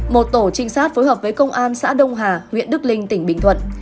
một tổ trinh sát phối hợp với công an xã đông hà huyện đức linh tỉnh bình thuận